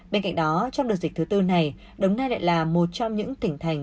bên cạnh đó trong đợt dịch thứ tư này đồng nai lại là một trong những tỉnh thành